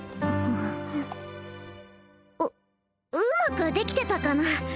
ううまくできてたかな？